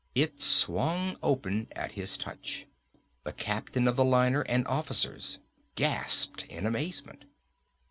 It swung open at his touch. The captain of the liner and officers gasped in amazement.